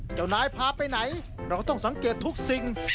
เจ้านายพาไปไหนเราต้องสังเกตทุกสิ่ง